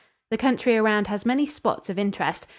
The country around has many spots of interest.